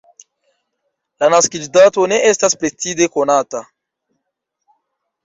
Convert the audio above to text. La naskiĝdato ne estas precize konata.